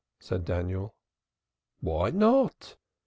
said Daniel. "Why not?